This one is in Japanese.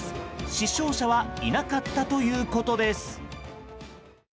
死傷者はいなかったということです。